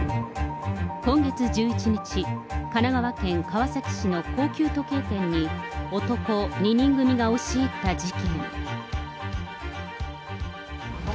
今月１１日、神奈川県川崎市の高級時計店に、男２人組が押し入った事件。